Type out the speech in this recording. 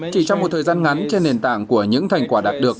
chỉ trong một thời gian ngắn trên nền tảng của những thành quả đạt được